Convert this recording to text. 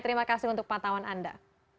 terima kasih untuk patauan anda